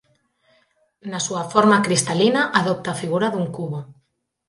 Na súa forma cristalina adopta a figura dun cubo.